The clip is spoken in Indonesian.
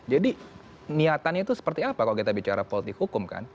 jadi niatannya itu seperti apa kalau kita bicara politik hukum kan